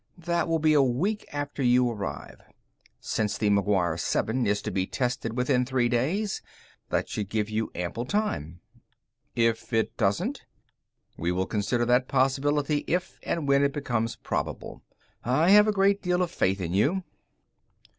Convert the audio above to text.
That will be a week after you arrive. Since the McGuire 7 is to be tested within three days, that should give you ample time." "If it doesn't?" "We will consider that possibility if and when it becomes probable. I have a great deal of faith in you."